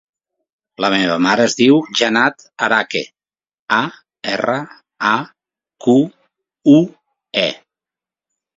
La meva mare es diu Janat Araque: a, erra, a, cu, u, e.